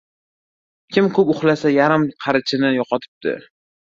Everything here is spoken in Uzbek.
kim ko‘p uxlasa yarim qarichini yo‘qotibdi.